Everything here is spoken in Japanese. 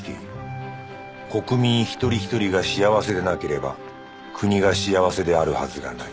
国民一人ひとりが幸せでなければ国が幸せであるはずがない